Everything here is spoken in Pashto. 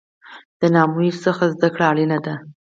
د ناکامیو څخه زده کړه اړینه ده.